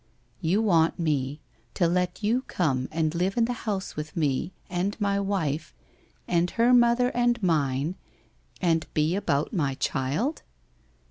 ' You want me to let you come and live in the house with me, and my wife, and her mother and mine, and be about my child?